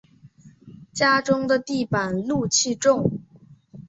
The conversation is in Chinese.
家中的地板露气重